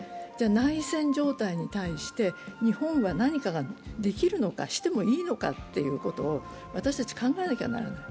内戦状態に対して日本は何かができるのか、してもいいのかということを私たち考えなきゃならない。